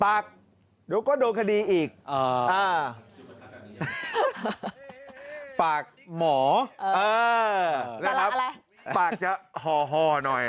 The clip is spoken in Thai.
ปากเดี๋ยวก็โดนคดีอีกอ่าปากหมอเออแล้วครับปากจะห่อห่อหน่อย